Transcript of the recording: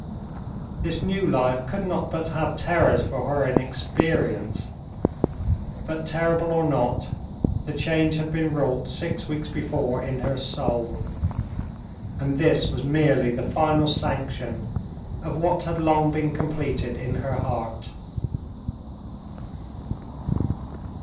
This new life could not but have terrors for her inexperience; but, terrible or not, the change had been wrought six weeks before in her soul, and this was merely the final sanction of what had long been completed in her heart.